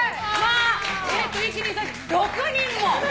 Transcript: １２３４６人も！